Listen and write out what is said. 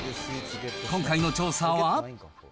今回の調査は。